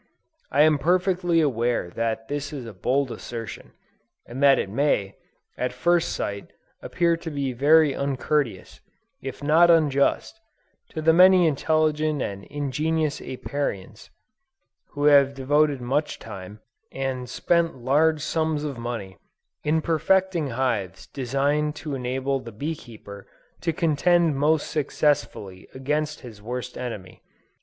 I am perfectly aware that this is a bold assertion, and that it may, at first sight, appear to be very uncourteous, if not unjust, to the many intelligent and ingenious Apiarians, who have devoted much time, and spent large sums of money, in perfecting hives designed to enable the bee keeper to contend most successfully against his worst enemy.